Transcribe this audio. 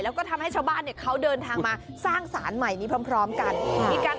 แล้วก็ทำให้ชาวบ้านเนี่ยเขาเดินทางมาสร้างสารใหม่นี้พร้อมกัน